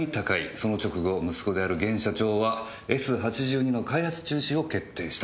その直後息子である現社長は「Ｓ８２」の開発中止を決定した。